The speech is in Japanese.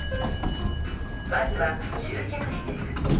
まずは集客施設。